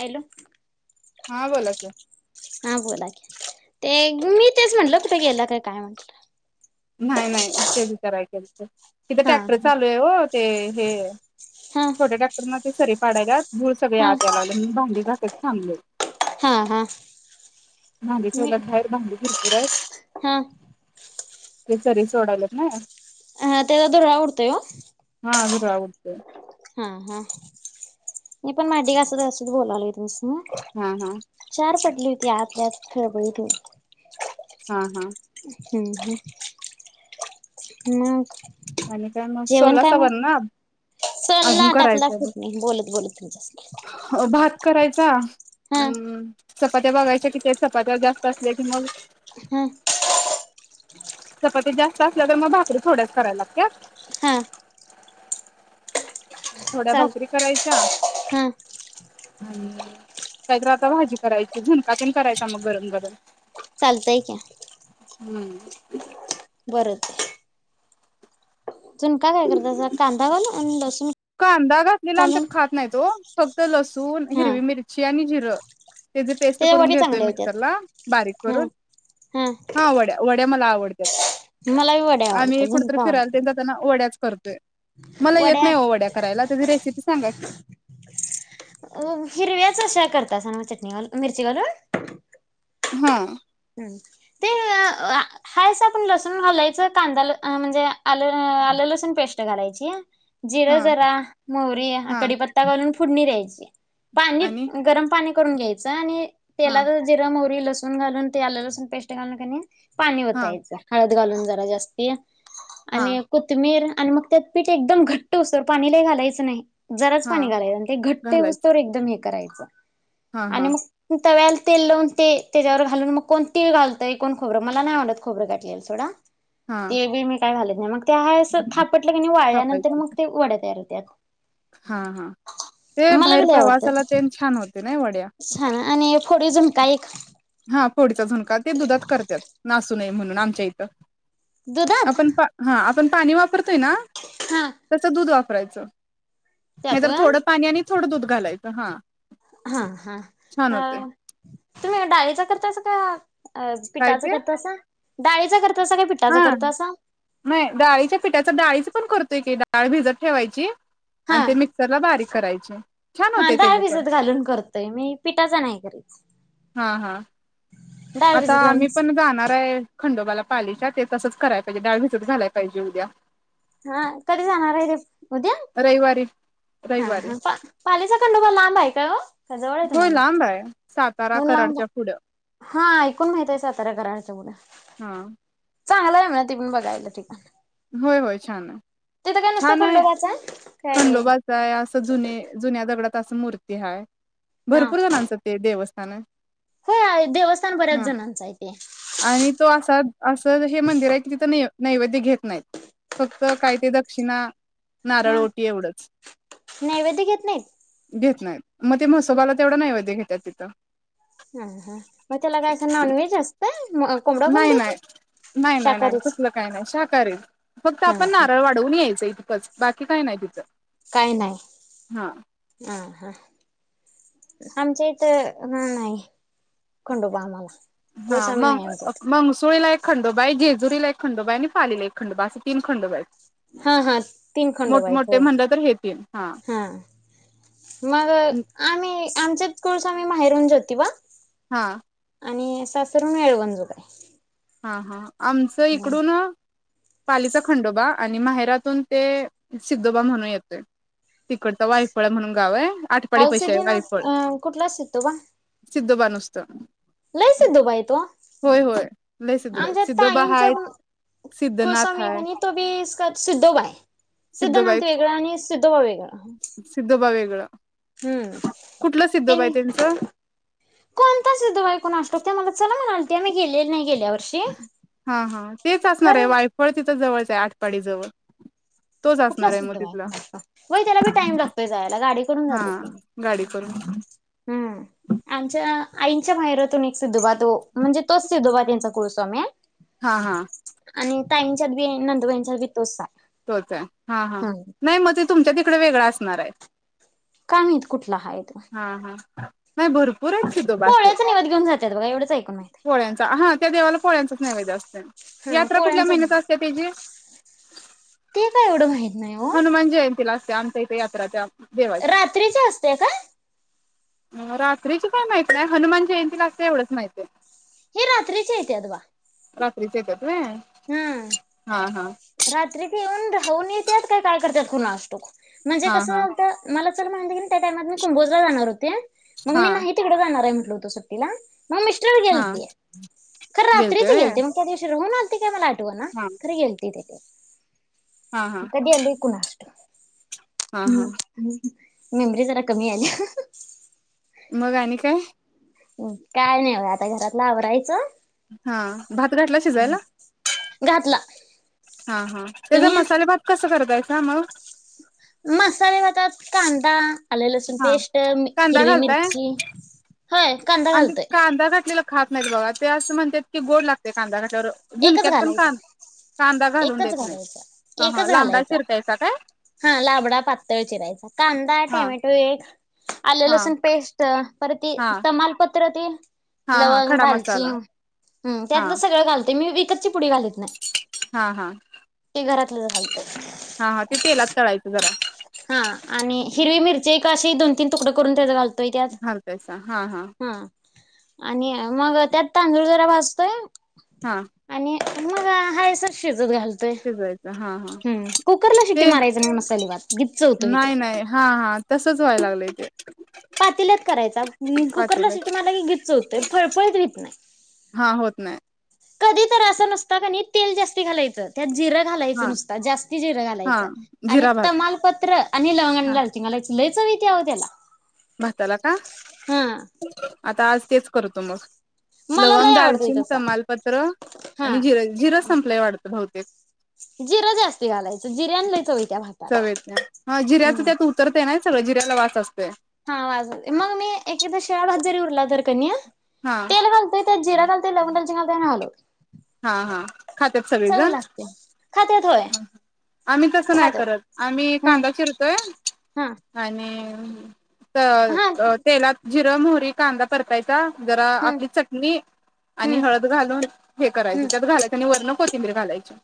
Hello. हा बोला कि. हा बोला की ते मी तेच म्हणल कुठ गेला का काय म्हटलं? तिथे हा ट्रॅक्टर चालू आहे वो ते हे हा छोट्या ट्रॅक्टर न ते सरी. [inaudible] धूळ सगळी आत यायला हा लागलीय म्हणून भांडी घासायच. थांबले. हा, हा, भांडी मी ठेवल्यात बाहेर भांडी भरपूर आहेत हा. ते सरी सोडायल्यात ना. हा तेचा धुरळा उडतोय वो. हा धुरळा उडतोय. हा हा मी पण भांडी घासत-घासत बोलालोय तुमच्या संग. हां हा. [unintelligible] हा हा. हं हं मग? आणि काय मग? जेवण काय सोलासा मग बनू ना अजून चलना टाकला करायचा बग. फोडणी बोलत बोलत तुमच्यासंग हं भाकर. करायचा. हा हम्, चपात्या बागायच्या किती हायत. पगार जास्त असलाय कीं मंग? हं. चपात्या जास्त असल्या तर मग भाकऱ्या थोड्याच करायला लागत्यात? हा. थोड्या चाल भाकरी करायच्या. हा हं कायतरी आता भाजी करायची झुणका तेन करायचा मग गरम - गरम. चालतय कीं. ह. बरं ते. झूनका भाकर कस कांदावलं? आनी [unintelligible] लसून. फक्त लस. दोन हा हिरवी मिरची आनी जी. [unintelligible] त्याची पेस्ट त्याच्या करून वडी घेतेय चांगल्या होत्यात मिक्सरला. बारीक हम्म करून. हम्म हा वड्या. वड्या मला आवड. [inaudible] मलाही वड्या आवडता झूनका आवडत नाही. करते. मला येत वड्या नाही ओ वडा. करायला आदी रेसिपी सांगा कीं? हिरव्याच अशा चटणी घालून, मिरची घालून [unintelligible] हा. ते अ.. हायसा पन लसून घालायचं कांदा अ म्हनजे आ-आलं, आलं लसून पेस्ट घालायची. जिरा हा जरा, मोहरी, हा कडीपत्ता घालून फोडणी द्यायची. पाणी, आणि गरम पाणी करून घ्यायच, आनी ते हा तेलातच जिरं म्हवरी लस सून घालून ते आलं लसून पेस्ट घालून किनई ते पानी हा ओतायचं हळद घालून जरा जास्तीतं हा आनी कोथमीर आणि मग त्यात पीठ एकदम घट्ट होईस्तवर पानी लय घालायचं न्हाई. जराच हा पानी घालायचं आनी ते घट्ट घालायचं होईस्तवर एकदम हे करायचं हा हा तव्याल तेल लावून ते त्याच्यावर घालून मग कोण तीळ घलतंय कोण खोबरं मला नाही आवडत खोबरं घालेल्यालं सोडा हा तीळ बीळ मी काय घालत [inaudible] त्या हाय असं थापटलं कने वाळल्यानंतर थापायचं मग ते वड्या तयार होतात. त्यात हा हा ते मला बी बाहेर लय आवडत प्रवासाला तेन छान होते नाही वड्या. छान आणि फोडीव झुणका एक.... हा फोडी. झुणका ते दुधात करत्यात नास होय म्हणून आमच्या इथं. दुधात आपण पा हा पण पाणी वाप वापरते न हा तस दूध करायचं. नाही त्यात तर व्हय थोडं पाणी आणि थोडं दुध.... घालायचं हां हा हा तुम्ही आ डाळीचा [unintelligible] अ काय पिठाचं ते करतासा... डाळीचं कर.... हा नाही डाळीच्या पिठाच डाळीच पण करतोय की डाळ भिजत ठेवायची. हा आणि ते मिक्सर ला बारीक.... करायची. छान हा होते डाळ त्याच पण भिजत घालून करतोय मी पिठाच नाही करत. हां हां आता आम्ही पण जाणार आहे. खंडोबाला पालिच्या ते तसंच कराय पाहिजे डाळ भिजत घालाय पाहिजे उद्या.... हा कधी जाणार आहे ते उद्या रविवारी हा रविवारी ह पालीचा खंडोबा लांब आहे काय ओ. जवळ आहे होय लांब आहे सातारा तुम्हाला लांब कराडच्या पुढं हा ऐकून माहित आहे साताऱ्याकड आहे ते. हा चांगला आहे म्हणा त पण बघायला ठिकाण होय होय छान आहे तिथं काय नुसतं खंडोबााचं खंडोबाचाय असं जुने जुन्या दगडा मूर्ती ह भरपूर जणांचं ते देवस्थ हा हो देवस्थान बऱ्याच जणांच आहे तेे आणि तो असा असं हे मंदिर आहे कि तिथं नैवेद्य घेत नाहीत फक्त काय ते दक्षिणा नारळ हा ओटी एवढच नैवेद्य घेत नाहीत? घ नाही मग ते मसोबाला तेवढ नाही वध्ये घेते ति त हा हा मला कायस नाॉन वेज अस नाही नाही नाही नाही नाही शाकाहारीच कुसलं काही नाही शाकारारी फक्त हा आपण हा नारळ वाढवून येईल थच बाकी काय नाही तिथं काही हा नाही ह ह आमच्या इथ नाही खंडोबा आम्हाला हा गोस्वामी नाही मंग आमच्यात मंगसुळीला एक खंडोबा हाय जेज जुरीला एक खंडबा आहे आणि पालीला एक खडोबा आहे असे तीन खडोबा आहेत. हा हा तीन खडोबा हाईत मोठमोठे होय, म्हणलं तर हे तीन हा मग आम्ही आमच्या कुळस्वामी माहेरून जोतिबा, हा आणि सासर हुन येळवण जोग हाय हा हा आमचं इकडून, पालीचा खंडोबा आणि माहेरातून ते सिद्धोबा म्हणून येतोय, तिकडचं वायफळ म्हणून गाव आहे, आठपाडी पैसे आहे हयसिद्धी वायफळ नाथ कुटला सितोबा असत लैसिद्धू बायतो लय सिद्धोबा आहेत. आमच्या सिद्धोबा ताईंचा हाय पण सिद्धनाथ कुळस्वामी हाय आणि तो बी सिद्धोबा आहे सिद्धोबाई सिद्धनाथ वेगळा आणि सिद्धोबा वेगळा, भ वेगळ हम्म त्यांनी त्यांचं कोणताच सिद्धू बाई कुणास ठाऊक त्यांनी मला चला म ते मी गेलेले नाहीये हा हा तेच असणार आहे खरं वायफळ तिथं जवळ आठपाडीजवळ कुठला सिद्धिबा होय त्याला बी टाइम लागतोय जायला, गाडी करुन हा जात्यात तेनी गाडी करून हम्म आमच्या आईंच्या माहेरातून एक सिद्धुबा तो म्हणजे तोच सिद्धूबा तेंच्या कुळस्वामी हाय हा हा आणि ताईंच्या बी नंदुबाईंच्या बी तोसा तोच आहे हा हा नाही मग ते तुमच्या इकड वेगळं असणार आहे. काय माहीत कुठला हाय तो हा हा नाही बरोबरं पुरायची बास पे पोळ्याचा नैवेद्य घेऊन जातात बघा एवढंच ऐकून माहित आहे. पोळ्यांचा हा त्या देवाला पोळ्यांचाच नैवेद्य असतय. हा यात्रा कुठल्या पोळ्यांचा महिन्यात असते त्याची ते काय एवढं माहित नाही हो हनुमान जयंतीला मइथे येते यात्राच्या रात्रीचे असत्या काय? रात्रीची काय माहितनाही हनुमान जयंतीला असते एवढंच माहित आहे. हे रात्रीच येत्यात बघा रात्रीच हे तर हम्म रात्री पिऊन ढ खाऊन येत्यात काय काय करतात कुणास ठाऊक म्हणजे हा हा कसं होतं मला चला [unintelligible] त्या टाइमात मी कुंभोजला जाणार होते, मग हा मी नाही तिकडे जाणार आहे म्ह होतो सुट्टीला मग मिस्टर हा गेलती खर रात्रीच गेलते मग त्या दिवशी राहून आलत ते काय मला आ ठवना हा खरं गेल ते हा हा [unintelligible] कधी आणली कुणास हा हा हम्म [unintelligible] मेमरी जरा कमी आली. मग आणि काय? काय नाही बघा आता घरातलं आवरायचं हा भात घाटला शिजायला? घातला हा, हा. त्यजा तुम्ही मसाले भात कसा कर [unintelligible] मग मसाले भातात कांदा आले लसूण हा पेस्ट, कांदा हिरवी घालताय मिरची होय कांदा आमच्यात घालतोय कांदा घातलेला खात नाहीत बघा. ते असं म्हणतात की गोड लागते कांदा घात वर एकच झुणक्यात पण कां घालायचा कांदा घालून एकच देत नाहीत घालायचा, हा हा एकच लांबडा घालायचा. चिरतायचा काय हा लांबडा पातळ चिरायचा‌. कांदा, हा टोमॅटो एक आले हा लसूण पेस्ट, परत ती हा तमाल पत तर ती हा हा लवंग, खडा मसाला दालचिंग हम्म हा त्यातलं सगळं घालते. मी बी ची पुडी घालत नाही. हा, हा, ते घरातलं घालते हा, हा ते तेलात तळायचं जरा. हा आणि हिरवी मिरची एक अशी दोन तीन तुकडे करून त्याचा घालत होय त्यात. घालतायसा हा हा हं आणि मग त्यात तांदूळ जरा भासतोय हा मग आहेाय सर शिव घालतोय शिजवायचं हा हा कुकरला शिट्टी ते मारायच नाही मसाली भात गीच्च होतोय तो. नाही नाही हा हा तसंच व्हाय लागलंय ते पातील्यात करायचा पातेल्यात कुकरलासाठी मला घीच होतंय फळफळत घत नाही हा होत नाही कधी तर अस नसता का तेल जास्त घालायचं जर घालायच हा नुसत जास्त जिर हा घालायच आणि जिरा भात तमालपत्र आणि लवंग आणि लालची घालायची ल त्याला भातला का हा. आता आज तेच करतो मग मला लवंग लई आवडतोय दालचीिन तसा तमालपत्र हा. आणि जिर जिर संपलाय वाढत वतेक जिरं जास्ती घालायचं जिऱ्यान लई चव येत्या भाताला चवेत जिऱ्याच हम्म. त्यात उतरत नाही सगळं जि याला वास असतय. हा वास येतोय, मग मी एकादा शेळा भात जरी उरला तर कनय. हा तेल घलतोय, त्या जिरा घालतय लवण टालचे घालतय, आणि हलो हा हा खातात सगळे जण. लागते खात्यात होय आम्ही तसं नाही खात्यात करत, आम्ही हा कांदा चिरतोय हा आणि. हम तर हा तेलात जिर मोहरी ते कांदा परतायचा. त्या जरा हम्म आपली चटणी आणि हम्म हळद घालून हे करायच, हम्म त्यात घालायच आणि वरण कोथिंबीर घालायची.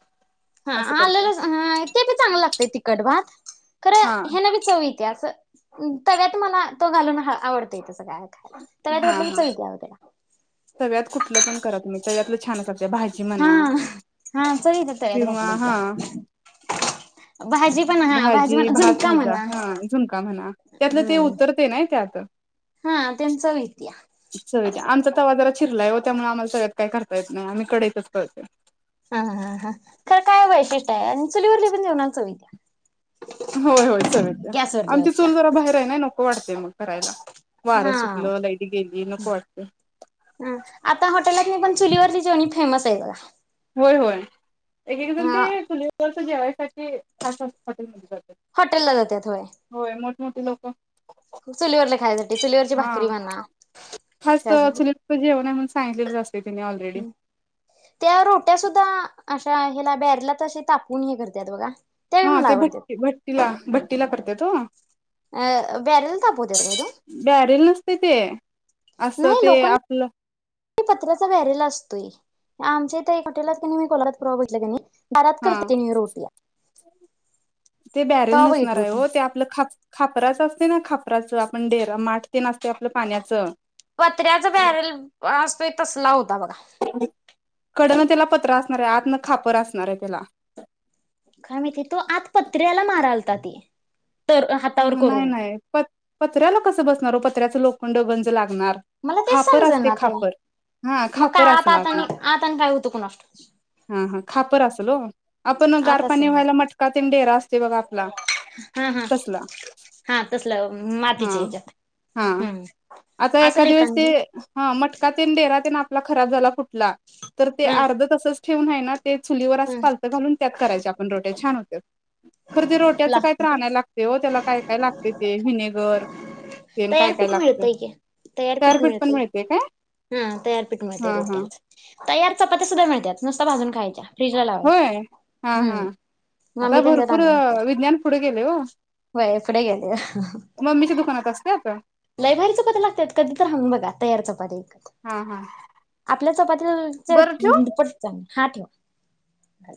हा असं करतोय आलेला हा ते पण चांगलं लागतंय तिकट भात. खरं हा हेन बी चव येते असं. उ तव्यात मला तो घालून आवडतय तस. ता तव्यात हा घातलं की, हा चव येत्या तव्यात कुठलं पण करा तुम्ही तव्यातलं छानच लागतंय भाजी हा म्हणा हा चवयेत्या. किंवा घटला हा का [unintelligible] [inaudible] भाजी, भात, भाजा, हा झुणका म्हणा, त्यातलं ते हम्म उतरते नाही त्या आत. हा तेन चव येत्या चव येत्या आमचा तवा जरा चिरलाय हो त्यामुळे आम्हाला तव्यात काय करता येत नाही, आम्ही कढईत करतते. हा हा हा खर काय वैशिष्ट आहे आणि चलीवर ल्या जेवणाला पण चव येत्या. होय होय चव येते, आमची गॅसवरल्यापेक्षा चूल जरा बाहेर आहे नाय नक नको वाटते मग. करायला हा वारं सुटलं लाईट गेली नको वाटते आता हॉटेलात मी पण चुलीवरची जेवणी फेमस. तेवढा. होय होय एक एक जण ते फु जेवाय सा ते खत असत्यात हॉटेलचं हॉटेलला होय मग. मोठे पप्पा. चुलीवरला खायसाठी चुलीवरची हा भाकरी म्हणा खास त्यासाठी चुलीवरच जेवण आहे म्हणून सांगितलेलंच असते तिने ऑलरेडी त्या रो त्या सुद्धा अशा ह्याला बॅरला त तापून हे करतात बघा. हा त्यावेळी मला ते भट्टी आवडत्यात भट्टीला भट्टीला करत्यात हो. अ बॅरेल तापवत्यात काय तो बॅरेल नसतय ते असं ते आपलं पत्राचा व्हरीला‌‌ असतोय आमच्या इथ एक हॉटेलात की नी मी कोल्हापुरात म्हटलं की नाही. दारात करते हा तिन रोटीया ते बॅरेल नसणार आहे होतो हो ते आपलं खाच खापराच असते ना खापराचं आपण डेरा माठ तेन असते आपलं पाण्याचं पत्र्याचा बॅरल असतोय तसला होता बघा. कडनं त्याला पत्रा असणार आहे आतन खापर असणार आहे त्याला काय माहिती तो आत पत्र्याला मारालता ते तर हा हातावर हा नाही करून. नाही प पतऱ्याला कस बसणार ओ प पत्र्याचं लोखंड गंज लागत. मला तेच समज ना ते हा मग खापर काय असेल आता आता आत आणि आता आणि काय उतुकणार हॅलो आपण गार पाणी व्हायला मटकात डेरा असते बघा आपला [inaudible] तसला हा तसलं हा मातीच्या ह्याच्यात हा हम्म आता असेल एखाद्या वेळेस ते एखांदी ह मटका ते डेरा तेन आपला खराब झाला फुटला तर ते हम्म अर्ध तसंच ठेवून आहे ना ते चुलीवर असं हम्म पालतं घालून, त्यात करायच्या आपण रोट्या छान होत्यात खरं ते रोट्याचं काय तर लागते का आणायला लागत हो त्याला काय काय लागते ते व्हिनेगर तेन काय काय तयारपीठ लागतंय. मिळतय की तयारपीठ गारपीट पण मिळतयं मिळते काय? हा तयारपीठ हा मिळते हा रोट्यांच तयार चपात्या सुद्धा मिळत्यात, नुसत भाजून खायच्या. फ्रीजला लावायच्या होय हा हा हम्म. आता मम्मी त्यांच्यात भरपूर आम्ही आणतोय विज्ञान पुढे गेलय, ओ होय पुढे गेले. मम्मीच्या दुकानात असते आता लयभारी चपाती लागत्यात कधी तर, हाणून बघा तयार चपाती एक हा हा आपल्या चपातीच्या बरं ठेवू? दुप्पट हा ठेव.